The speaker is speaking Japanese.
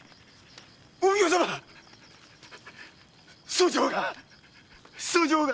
訴状が訴状が‼